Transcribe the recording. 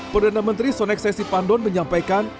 perdana menteri sonexai sipadon menyampaikan